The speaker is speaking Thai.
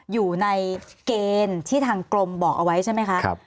อยู่ในเกณฑ์ที่ทางกรมบอกเอาไว้ใช่ไหมคะ